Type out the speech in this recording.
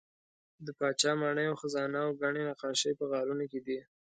د پاچا ماڼۍ او خزانه او ګڼې نقاشۍ په غارونو کې دي.